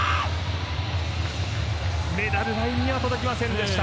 メダルラインには届きませんでした。